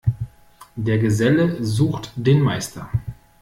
Der Geselle sucht den Meister.